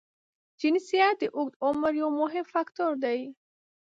جنسیت د اوږد عمر یو مهم فاکټور دی.